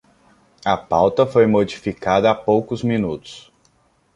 A pauta foi modificada há poucos minutos